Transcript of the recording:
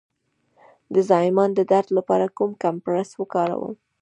د زایمان د درد لپاره کوم کمپرس وکاروم؟